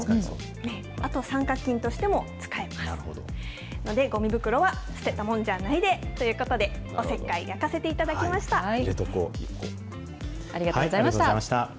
あと三角巾としても使えますので、ごみ袋は捨てたもんじゃないでということで、おせっかい焼かせていただきました。